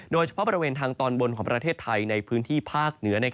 โดยเฉพาะบริเวณทางตอนบนของประเทศไทยในพื้นที่ภาคเหนือ